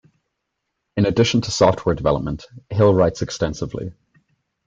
In addition to software development, Hill writes extensively.